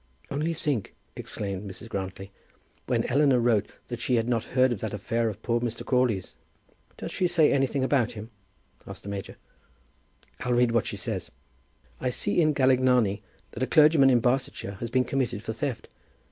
"Only think," exclaimed Mrs. Grantly, "when Eleanor wrote she had not heard of that affair of poor Mr. Crawley's." "Does she say anything about him?" asked the major. "I'll read what she says. 'I see in Galignani that a clergyman in Barsetshire has been committed for theft.